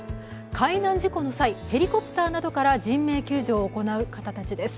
海上事故の際、、ヘリコプターなどから人命救助を行う方々です。